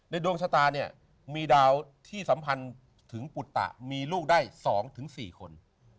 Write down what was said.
ดวงชะตาเนี่ยมีดาวที่สัมพันธ์ถึงปุตตะมีลูกได้๒๔คน